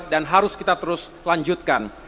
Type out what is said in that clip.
dan harus kita terus lanjutkan